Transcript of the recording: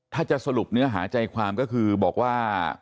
ถ้าจะสรุปเนื้อหาใจความก็คือบอกว่า